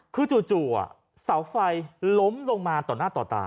คือจู่เสาไฟล้มลงมาต่อหน้าต่อตา